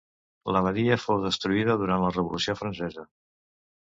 L'abadia fou destruïda durant la Revolució Francesa.